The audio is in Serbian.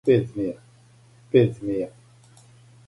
пет змија